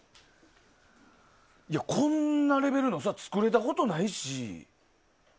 こんなレベルの作れたことないし。